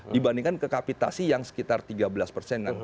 dibandingkan ke kapitasi yang sekitar tiga belas persenan